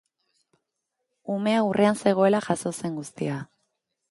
Umea aurrean zegoela jazo zen guztia.